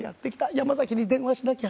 山崎に電話しなきゃ。